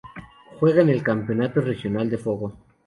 Juega en el campeonato regional de Fogo.